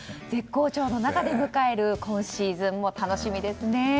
絶好調の中で迎える今シーズンも楽しみですね。